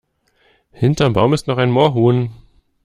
Hinterm Baum ist noch ein Moorhuhn!